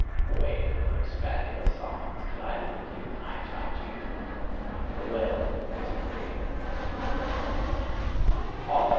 Away from those fabulous songs did I lead you when I taught you: "The Will is a creator."